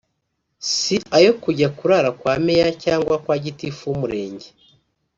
si ayo kujya kurara kwa Meya cyangwa kwa Gitifu w’umurenge